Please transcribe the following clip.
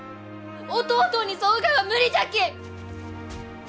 弟に添うがは無理じゃき！